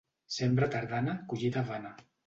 Sembra tardana, collita vana.